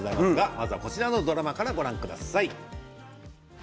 まずこちらのドラマからご覧ください。